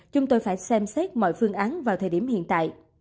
chúng tôi phải xem xét mọi phương án vào thời điểm hiện tại